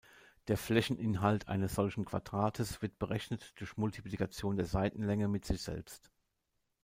Der Flächeninhalt eines solchen Quadrates wird berechnet durch Multiplikation der Seitenlänge mit sich selbst.